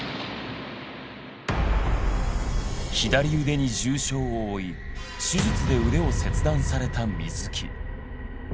左腕に重傷を負い手術で腕を切断された水木。